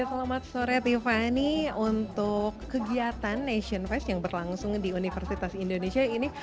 selamat sore tiffany untuk kegiatan nation fest yang berlangsung di universitas indonesia ini